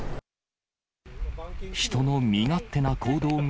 人の身勝手な行動が、